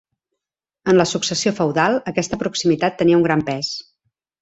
En la successió feudal, aquesta proximitat tenia un gran pes.